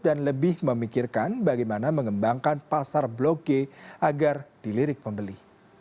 dan lebih memikirkan bagaimana mengembangkan pasar blok g agar dilirik pembeli